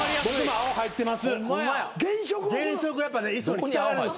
青入ってます。